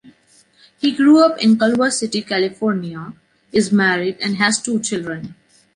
He grew up in Culver City, California, is married, and has two children.